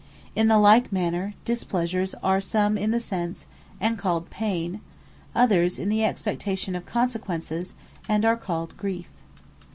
In the like manner, Displeasures, are some in the Sense, and called PAYNE; others, in the Expectation of consequences, and are called GRIEFE.